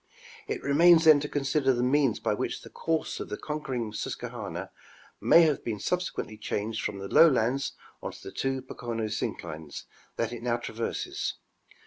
It remains then to consider the means by which the course of the conquering Susquehanna may have been subse quently changed from the lowlands on to the two Pocono synclines that it now traverses.